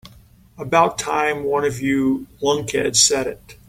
About time one of you lunkheads said it.